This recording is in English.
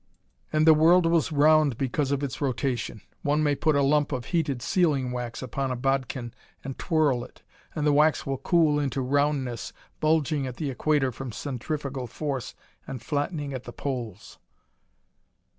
And the world was round because of its rotation. One may put a lump of heated sealing wax upon a bodkin and twirl it; and the wax will cool into roundness, bulging at the equator from centrifugal force, and flattening at the poles.